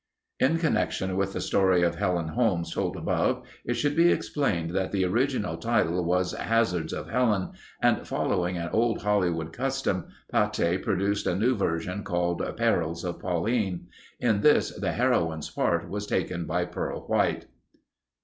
_In connection with the story of Helen Holmes told above, it should be explained that the original title was "Hazards of Helen" and following an old Hollywood custom, Pathe produced a new version called "Perils of Pauline." In this the heroine's part was taken by Pearl White.